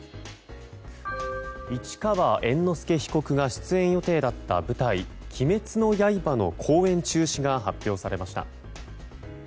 市川猿之助被告が出演予定だった舞台「鬼滅の刃」の公演中止が発表されました。